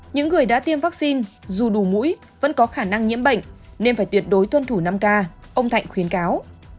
những người đã tiêm vaccine dù đủ mũi vẫn có khả năng nhiễm bệnh nên phải tuyệt đối tuân thủ năm k ông thạnh khuyến cáo